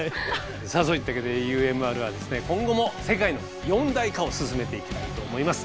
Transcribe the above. さあそういったわけでＵＭＲはですね今後も世界の四大化を進めていきたいと思います。